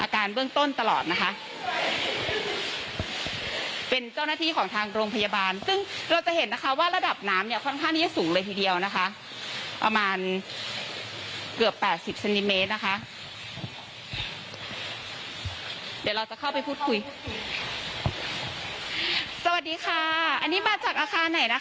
การเบื้องต้นตลอดนะคะเป็นเจ้าหน้าที่ของทางโรงพยาบาลซึ่งเราจะเห็นนะคะว่าระดับน้ำเนี้ยค่อนข้างนี้จะสูงเลยทีเดียวนะคะประมาณเกือบแปดสิบเซนติเมตรนะคะเดี๋ยวเราจะเข้าไปพูดคุยสวัสดีค่ะอันนี้มาจากอาคารไหนนะคะ